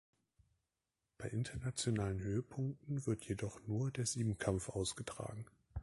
Bei internationalen Höhepunkten wird jedoch nur der Siebenkampf ausgetragen.